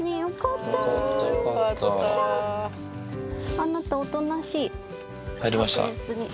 あなたおとなしい。